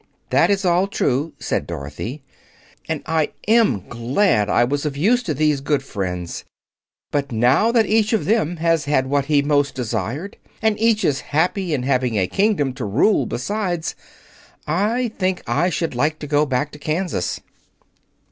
"This is all true," said Dorothy, "and I am glad I was of use to these good friends. But now that each of them has had what he most desired, and each is happy in having a kingdom to rule besides, I think I should like to go back to Kansas."